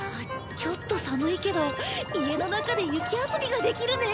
ちょっと寒いけど家の中で雪遊びができるね。